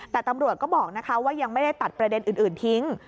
แต่ตำรวจก็บอกว่ายังไม่ได้ตัดประเด็นอื่นทิ้ง